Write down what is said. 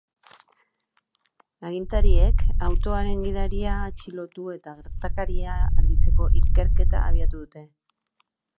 Agintariek autoaren gidaria atxilotu eta gertakaria argitzeko ikerketa abiatu dute.